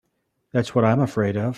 That's what I'm afraid of.